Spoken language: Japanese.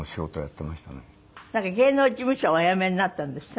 芸能事務所をお辞めになったんですって？